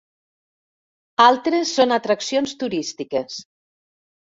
Altres són atraccions turístiques.